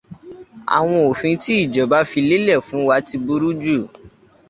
Àwọn òfin tí ìjọba fi lélẹ̀ fún wa ti burú jù.